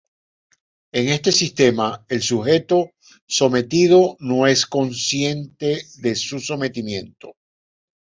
En este sistema, el sujeto sometido no es consciente de su sometimiento.